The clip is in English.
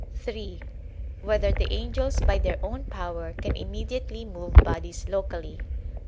(3) Whether the angels by their own power can immediately move bodies locally?